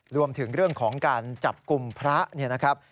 รวมถึงเรื่องของการจับกลุ่มพระเนี่ยนะครับ